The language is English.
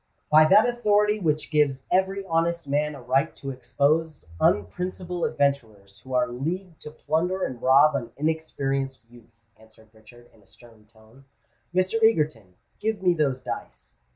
"By that authority which gives every honest man a right to expose unprincipled adventurers who are leagued to plunder and rob an inexperienced youth," answered Richard, in a stern tone. "Mr. Egerton, give me those dice."